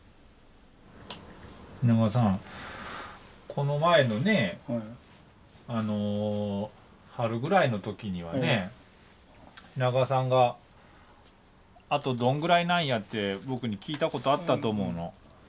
この前のねえ春ぐらいの時にはね品川さんが「あとどんぐらいなんや」って僕に聞いたことあったと思うの。